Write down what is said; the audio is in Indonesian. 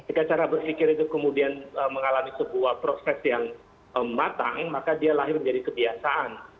jika cara berpikir itu kemudian mengalami sebuah proses yang matang maka dia lahir menjadi kebiasaan